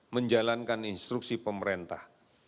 menjalankan instruksi pemerintah